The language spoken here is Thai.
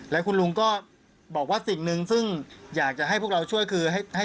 แล้วคุณลุงก็บอกว่าสิ่งหนึ่งซึ่งอยากจะให้พวกเราช่วยคือให้